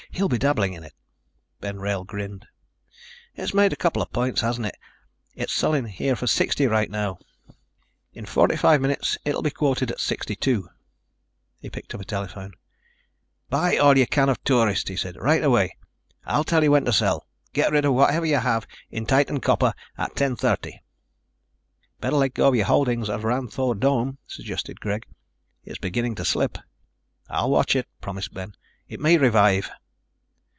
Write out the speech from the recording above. He'll be dabbling in it." Ben Wrail grinned. "It's made a couple of points, hasn't it? It's selling here for 60 right now. In 45 minutes it'll be quoted at 62." He picked up a telephone. "Buy all you can of Tourist," he said. "Right away. I'll tell you when to sell. Get rid of whatever you have in Titan Copper at 10:30." "Better let go of your holdings of Ranthoor Dome," suggested Greg. "It's beginning to slip." "I'll watch it," promised Ben. "It may revive."